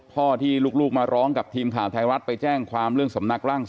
พ่อที่ลูกมาร้องกับทีมข่าวไทยรัฐไปแจ้งความเรื่องสำนักร่าง